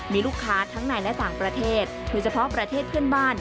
มีลูกค้าทั้งในและต่างประเทศโดยเฉพาะประเทศเพื่อนบ้าน